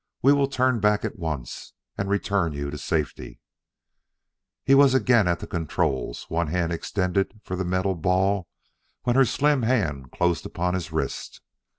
We will turn back at once, and return you safely " He was again at the controls, one hand extended for the metal ball, when her slim hand closed upon his wrist.